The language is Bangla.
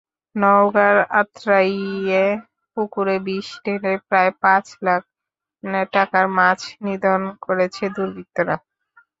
নওগাঁর আত্রাইয়ে পুকুরে বিষ ঢেলে প্রায় পাঁচ লাখ টাকার মাছ নিধন করেছে দুর্বৃত্তরা।